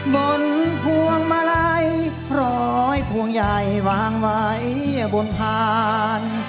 พวงมาลัยพร้อยพวงใหญ่วางไว้บนพาน